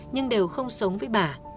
nhưng đều không sống với bà